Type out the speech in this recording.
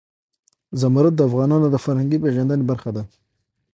زمرد د افغانانو د فرهنګي پیژندنې برخه ده.